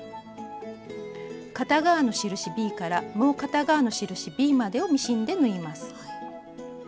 片側の印ｂからもう片側の印ｂまでをミシンで縫います。